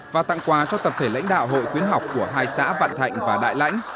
và tặng quà cho tập thể lãnh đạo hội khuyến học của hai xã vạn thạnh và đại lãnh